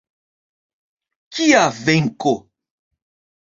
Kia venko.